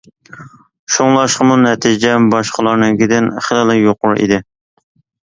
شۇڭلاشقىمۇ نەتىجەم باشقىلارنىڭكىدىن خېلىلا يۇقىرى ئىدى.